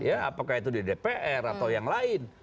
apakah itu di dpr atau yang lain